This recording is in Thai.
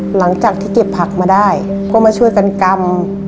หลังจากที่เก็บผักมาได้ก็มาช่วยกันกำ